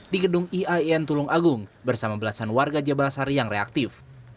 di gedung iaen tulung agung bersama belasan warga jabal sari yang reaktif